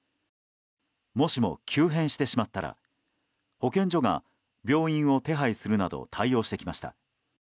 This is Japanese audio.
もしも急変してしまったら保健所が病院を手配するなど対応してきました。